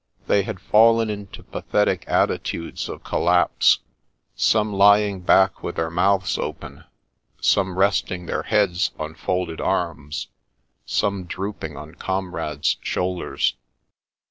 They had fallen into pathetic attitudes of collapse, some lying back with their mouths open, some resting their heads on folded arms, some drooping on comrades' shoulders.